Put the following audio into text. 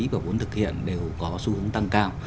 và vốn thực hiện đều có xu hướng tăng cao